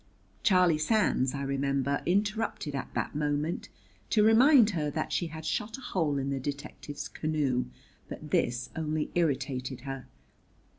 Charlie Sands, I remember, interrupted at that moment to remind her that she had shot a hole in the detective's canoe; but this only irritated her.